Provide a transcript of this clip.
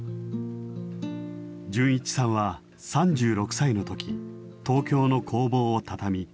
純一さんは３６歳の時東京の工房を畳み